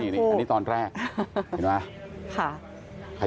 อันนี้ตอนแรกเห็นไหม